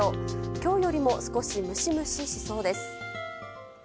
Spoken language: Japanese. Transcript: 今日よりも少しムシムシしそうです。